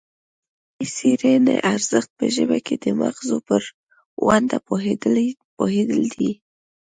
د دې څیړنې ارزښت په ژبه کې د مغزو پر ونډه پوهیدل دي